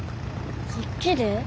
こっちで？